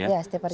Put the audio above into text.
iya setiap jumat